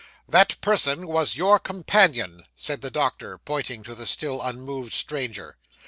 'That person was your companion,' said the doctor, pointing to the still unmoved stranger.